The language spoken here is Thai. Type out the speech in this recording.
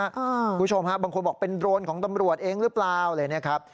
คุณผู้ชมฮะบางคนบอกเป็นโรนของตำรวจเองหรือเปล่าอะไรอย่างนี้ครับ